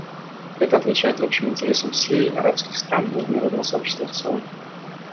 Это отвечает общим интересам Сирии, арабских стран и международного сообщества в целом.